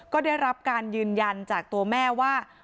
ก็ได้รับการยืนยันจากตัวแม่ว่า